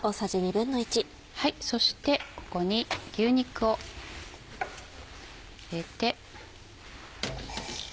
そしてここに牛肉を入れて。